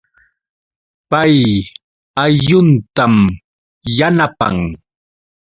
Pay aylluntam yanapan